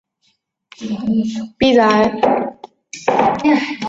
夏允彝之兄。